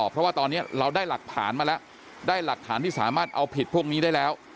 เพราะว่าตอนนี้เราได้หลักฐานมาแล้วได้หลักฐานที่สามารถเอาผิดพวกนี้ได้แล้ว